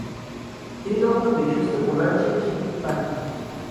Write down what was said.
তিনি কখনো বিশ্বস্ত বোলার হিসেবে স্বীকৃতি পাননি।